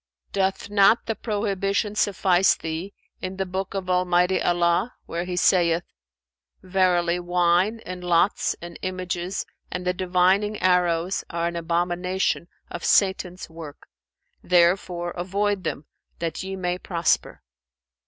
"Doth not the prohibition suffice thee in the Book of Almighty Allah, where He saith, 'Verily, wine and lots and images, and the divining arrows are an abomination, of Satan's work; therefore avoid them, that ye may prosper'?